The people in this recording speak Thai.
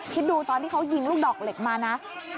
คิดดูตอนที่เขายิงลูกดอกเหล็กมานะ